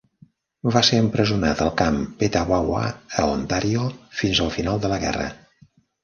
Va ser empresonat al camp Petawawa a Ontàrio fins al final de la guerra.